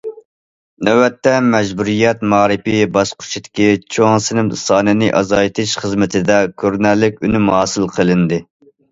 نۆۋەتتە، مەجبۇرىيەت مائارىپى باسقۇچىدىكى چوڭ سىنىپ سانىنى ئازايتىش خىزمىتىدە كۆرۈنەرلىك ئۈنۈم ھاسىل قىلىندى.